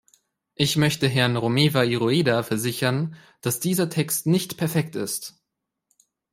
Ich möchte Herrn Romeva i Rueda versichern, dass dieser Text nicht perfekt ist.